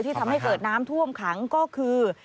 ทำให้เกิดน้ำท่วมขังก็คือ